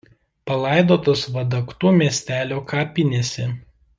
Palaidotas Vadaktų miestelio kapinėse.